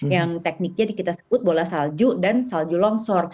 yang tekniknya kita sebut bola salju dan salju longsor